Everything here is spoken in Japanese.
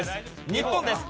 日本です！